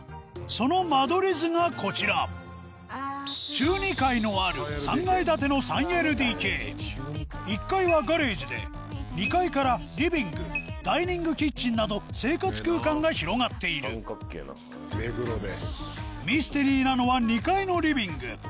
その間取り図がこちら中２階のある３階建ての３ＬＤＫ１階はガレージで２階からリビングダイニングキッチンなど生活空間が広がっているミステリーなのは２階のリビング